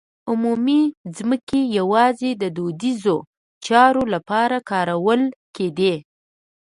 عمومي ځمکې یوازې د دودیزو چارو لپاره کارول کېدې.